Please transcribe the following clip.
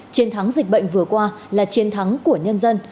chiến thắng dịch bệnh vừa qua là chiến thắng của nhân dân